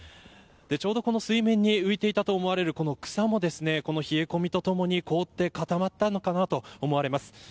ちょうど水面に浮いていたと思われる草も冷え込みとともに凍って固まったのかなと思われます。